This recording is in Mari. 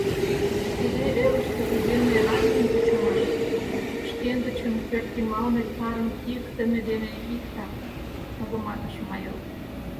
— Тиде элыште туземный армийым кучымаш — шкендычын пӧртйымалнет тарым кийыктыме дене иктак, — мугыматыш майор.